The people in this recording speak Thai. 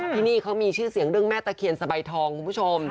ที่นี่เขามีชื่อเสียงเรื่องแม่ตะเคียนสบายทองคุณผู้ชม